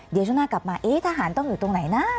เดี๋ยวช่วงหน้ากลับมาเอ๊ะทหารต้องอยู่ตรงไหนนะ